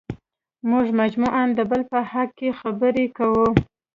موږ مجموعاً د بل په حق کې خبرې کوو.